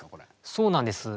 そうなんです。